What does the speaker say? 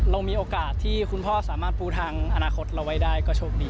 เรามีโอกาสที่คุณพ่อสามารถปูทางอนาคตเราไว้ได้ก็โชคดี